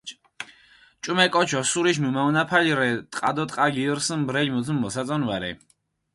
ჭუმე კოჩი ოსურიში მჷმაჸონაფალი რენ, ტყა დო ტყას გილურსჷნ, ბრელი მუთუნ მოსაწონი ვარე.